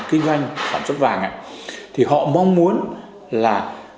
kinh doanh sản xuất vàng thì họ mong muốn là